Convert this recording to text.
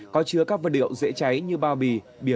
có chứa các vật điệu dễ cháy như bao bì